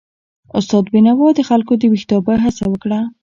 استاد بینوا د خلکو د ویښتابه هڅه وکړه.